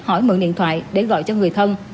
hỏi mượn điện thoại để gọi cho người thân